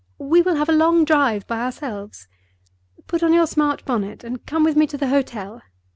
We will have a long drive by ourselves. Put on your smart bonnet, and come with me to the hotel.